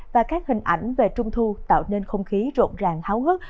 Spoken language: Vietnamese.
và các hình ảnh về trung thu tạo nên không khí rộn ràng háo hức